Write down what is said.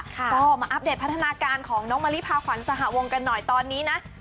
ก็มาอัปเดตพัฒนาการของน้องมะลิพาขวัญสหวงกันหน่อยตอนนี้นะ